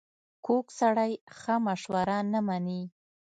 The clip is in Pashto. کوږ سړی ښه مشوره نه مني